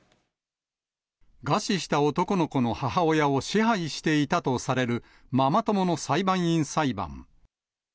餓死した男の子の母親を支配していたとされるママ友の裁判員裁判。